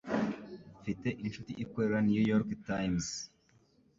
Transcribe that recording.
Mfite inshuti ikorera New York Times.